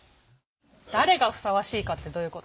「誰がふさわしいか」ってどういうこと？